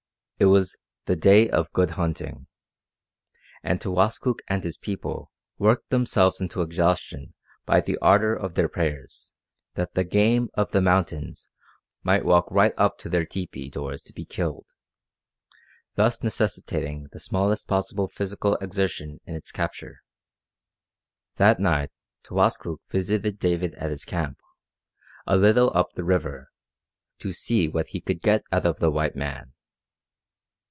It was "the day of good hunting," and Towaskook and his people worked themselves into exhaustion by the ardour of their prayers that the game of the mountains might walk right up to their tepee doors to be killed, thus necessitating the smallest possible physical exertion in its capture. That night Towaskook visited David at his camp, a little up the river, to see what he could get out of the white man.